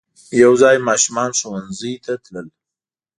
یو ځای ماشومان ښوونځی ته تلل.